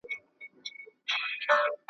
له جونګړو سي را پورته ننګیالی پکښی پیدا کړي `